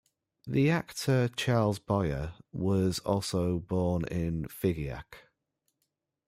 The actor Charles Boyer was also born in Figeac.